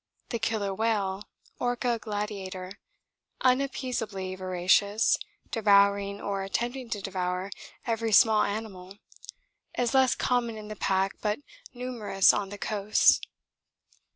The killer whale (Orca gladiator), unappeasably voracious, devouring or attempting to devour every smaller animal, is less common in the pack but numerous on the coasts.